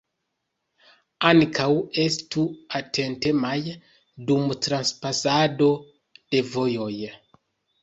Ankaŭ estu atentemaj dum transpasado de vojoj.